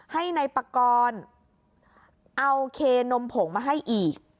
ให้นายปากรเอาเคนมผงมาให้อีก